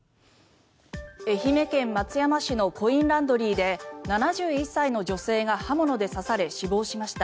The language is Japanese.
愛媛県松山市のコインランドリーで７１歳の女性が刃物で刺され死亡しました。